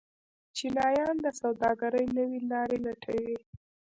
چینایان د سوداګرۍ نوې لارې لټوي.